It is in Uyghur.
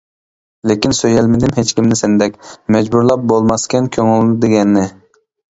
لېكىن سۆيەلمىدىم ھېچكىمنى سەندەك، مەجبۇرلاپ بولماسكەن كۆڭۈل دېگەننى.